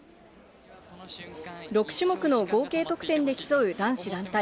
６種目の合計得点で競う男子団体。